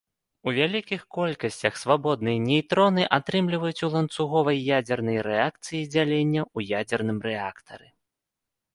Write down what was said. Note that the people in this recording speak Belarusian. У вялікіх колькасцях свабодныя нейтроны атрымліваюць у ланцуговай ядзернай рэакцыі дзялення ў ядзерным рэактары.